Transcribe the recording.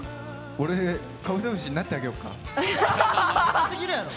俺、カブトムシになってあげようか？